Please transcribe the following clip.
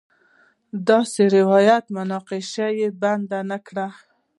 داسې روایت مناقشې بنده نه کړي.